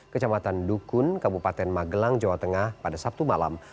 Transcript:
kecamatan dukun kabupaten magelang jawa tengah pada sabtu malam